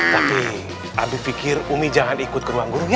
tapi abi pikir umi jangan ikut ke ruang guru ya